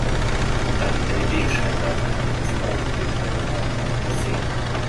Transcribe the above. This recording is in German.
Dank LED-Scheinwerfer kann ich jetzt auch im Winter beim Radfahren etwas sehen.